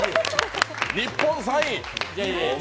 日本３位。